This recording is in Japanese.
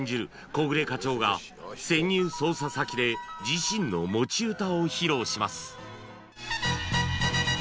小暮課長が潜入捜査先で自身の持ち歌を披露します